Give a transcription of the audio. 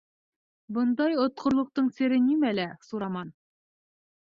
— Бындай отҡорлоҡтоң сере нимәлә, Сураман?